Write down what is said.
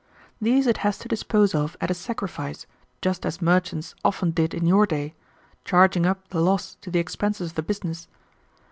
These it has to dispose of at a sacrifice just as merchants often did in your day, charging up the loss to the expenses of the business.